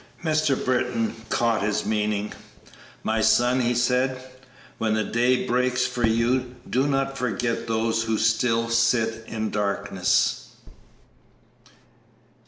Mr. Britton caught his meaning. "My son," he said, "when the day breaks for you do not forget those who still sit in darkness!"